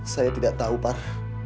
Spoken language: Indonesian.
saya tidak tahu par